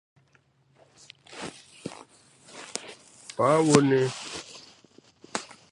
Àwọn ọmọ ẹgbẹ́ awakọ̀ èrò ṣíná ìbọn níbi ìpolongo ìbò tí ó wáyé.